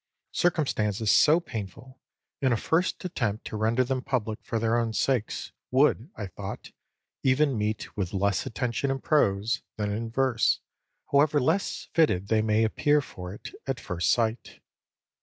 Circumstances so painful, in a first attempt to render them public for their own sakes, would, I thought, even meet with less attention in prose than in verse, however less fitted they may appear for it at first sight.